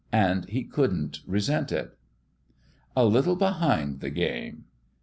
And he couldn't resent it. " A little behind the game."